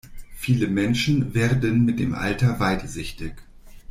Viele Menschen werden mit dem Alter weitsichtig.